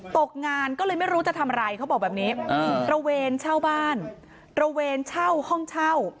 ตกงานก็เลยไม่รู้จะทำอะไรเขาบอกแบบนี้ตระเวนเช่าบ้านตระเวนเช่าห้องเช่า